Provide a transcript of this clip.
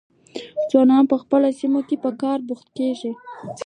ځوانان په خپلو سیمو کې په کار بوخت کیږي.